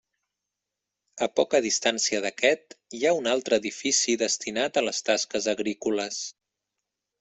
A poca distància d'aquest hi ha un altre edifici destinat a les tasques agrícoles.